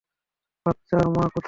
বাচ্চার মা কোথায়?